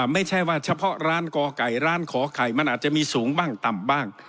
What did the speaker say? ไม่ใช่ว่าเฉพาะร้านก่อไก่ร้านขอไข่มันอาจจะมีสูงบ้างต่ำบ้าง